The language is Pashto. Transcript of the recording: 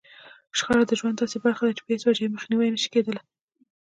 شخړه د ژوند داسې برخه ده چې په هېڅ وجه يې مخنيوی نشي کېدلای.